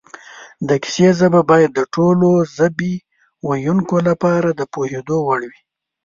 د کیسې ژبه باید د ټولو ژبې ویونکو لپاره د پوهېدو وړ وي